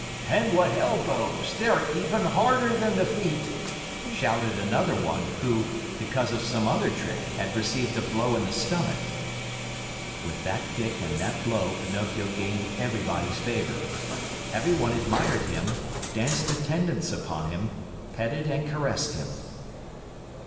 "And what elbows! They are even harder than the feet!" shouted another one, who, because of some other trick, had received a blow in the stomach. With that kick and that blow Pinocchio gained everybody's favor. Everyone admired him, danced attendance upon him, petted and caressed him.